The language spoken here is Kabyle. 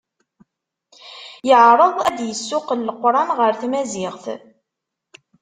Yeɛreḍ ad d-yessuqel leqran ɣer tmaziɣt.